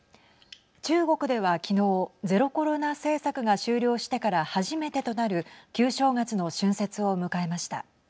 中国では昨日ゼロコロナ政策が終了してから初めてとなる旧正月の春節を迎えました。